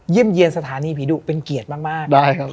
เยี่ยมเยี่ยมสถานีผีดุเป็นเกียรติมาก